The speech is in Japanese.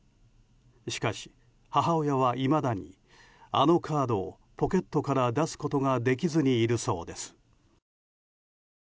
しかし、母親はいまだにあのカードをポケットから、出すことができずにいるそうです。